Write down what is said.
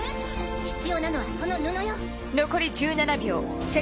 必要なのはその布よ。